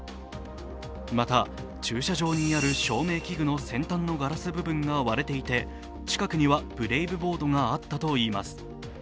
また、駐車場にある照明器具の先端のガラス部分が割れていて近くにはブレイブボードがあったといいます。